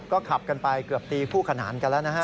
ก็ขับกันไปเกือบตีคู่ขนานกันแล้วนะฮะ